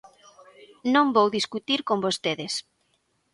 Non vou discutir con vostedes.